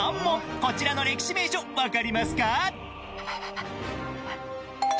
こちらの歴史名所分かりますか。